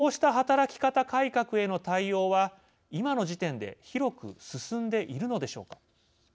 ではこうした働き方改革への対応は今の時点で広く進んでいるのでしょうか。